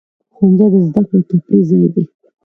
ښوونځی د زده کړې او تفریح ځای دی.